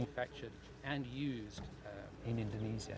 dilakukan dan digunakan di indonesia